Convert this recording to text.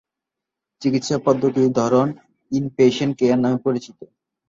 চিকিৎসা পদ্ধতির ধরন "ইন-পেশেন্ট কেয়ার" নামে পরিচিত।